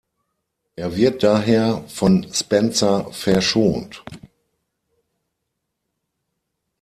Er wird daher von Spencer verschont.